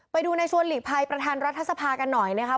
ไปดูในชวนหลีกภัยประธานรัฐสภากันหน่อยนะครับ